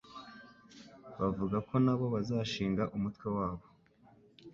bavuga ko nabo bazashinga umutwe wabo